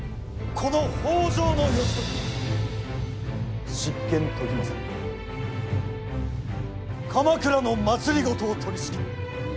この北条義時が執権時政に代わり鎌倉の政を取りしきる。